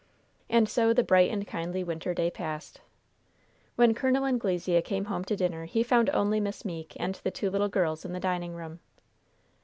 And so the bright and kindly winter day passed. When Col. Anglesea came home to dinner he found only Miss Meeke and the two little girls in the dining room.